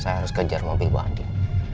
saya harus kejar mobil bawang din